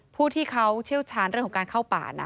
ผู้ที่เขาเชี่ยวชาญเรื่องของการเข้าป่านะ